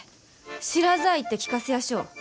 知らざあ言って聞かせやしょう。